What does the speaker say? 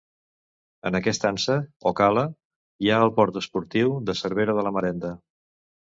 En aquesta ansa, o cala, hi ha el port esportiu de Cervera de la Marenda.